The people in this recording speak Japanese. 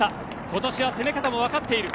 今年は攻め方は分かっている。